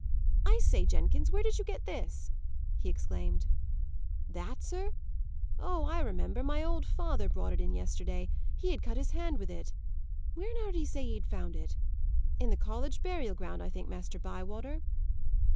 "I say, Jenkins, where did you get this?" he exclaimed. "That, sir? Oh, I remember. My old father brought it in yesterday. He had cut his hand with it. Where now did he say he found it? In the college burial ground, I think, Master Bywater."